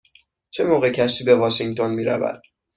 چه موقع کشتی به واشینگتن می رود؟